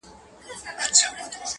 ښکلي سیمي لوی ښارونه یې سور اور کړ!.